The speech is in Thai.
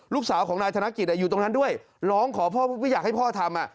ลูกสาวของนายธนกิจอยู่ตรงนั้นด้วยร้องขอพ่อไม่อยากให้พ่อทำ